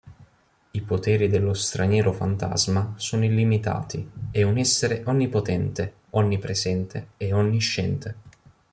I poteri dello Straniero Fantasma sono illimitati, è un essere onnipotente, onnipresente e onnisciente.